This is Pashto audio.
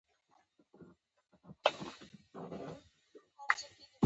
ډېر زیات پوځي عملیات مو کړي وای.